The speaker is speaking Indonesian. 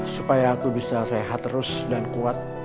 supaya aku bisa sehat terus dan kuat